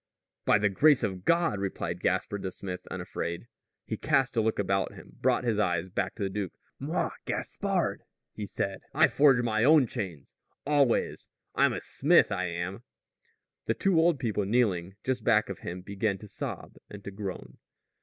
"By the grace of God!" replied Gaspard the smith, unafraid. He cast a look about him, brought his eyes back to the duke. "Moi, Gaspard," he said, "I forge my own chains always! I'm a smith, I am." The two old people kneeling just back of him began to sob and to groan.